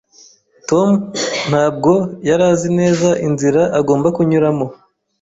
Tom ntabwo yari azi neza inzira agomba kunyuramo.